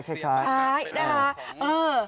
คล้ายได้ค่ะ